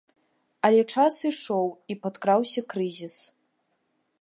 Але час ішоў і падкраўся крызіс.